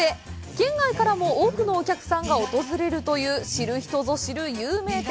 県外からも多くのお客さんが訪れるという知る人ぞ知る有名店。